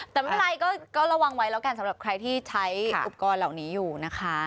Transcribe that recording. แต่ไม่เป็นไรก็ระวังไว้แล้วกันสำหรับใครที่ใช้อุปกรณ์เหล่านี้อยู่นะคะ